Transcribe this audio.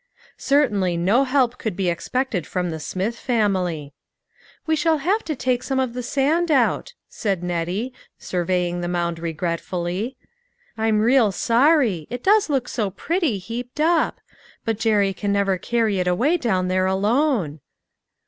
Certainly no help could be expected from the Smith family. " We shall have to take some of the sand out, " said Nettie, surveying the mound regretfully ;" I'm real sorry ; it does look so pretty heaped up ! but Jerry can never carry it away down there alone."